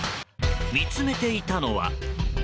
見つめていたのは。